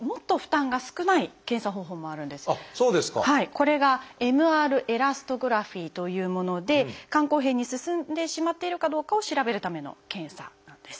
これがＭＲエラストグラフィというもので肝硬変に進んでしまっているかどうかを調べるための検査なんです。